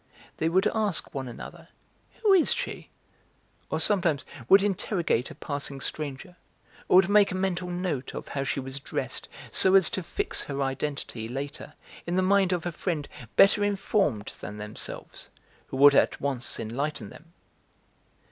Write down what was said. They would ask one another, "Who is she?", or sometimes would interrogate a passing stranger, or would make a mental note of how she was dressed so as to fix her identity, later, in the mind of a friend better informed than themselves, who would at once enlighten them.